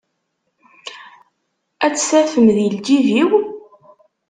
Ad tt-tafem di lǧib-iw?